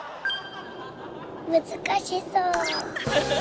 難しそう。